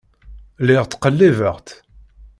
Lliɣ ttqellibeɣ-tt.